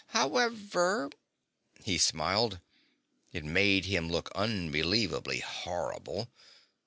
However " He smiled. It made him look unbelievably horrible.